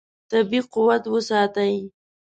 طبیعي قوت وساتئ.